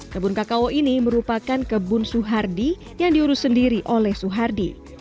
kebun kakao ini merupakan kebun suhardi yang diurus sendiri oleh suhardi